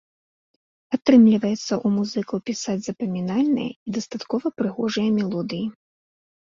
Атрымліваецца ў музыкаў пісаць запамінальныя і дастаткова прыгожыя мелодыі.